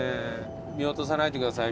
見落とさないでください。